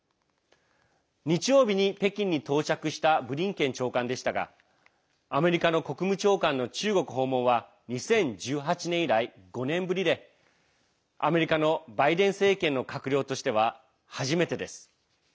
日曜日に北京に到着したブリンケン長官でしたがアメリカの国務長官の中国訪問は２０１８年以来５年ぶりでアメリカのバイデン政権の閣僚としては初めてです。